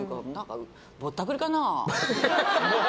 ぼったくりかな？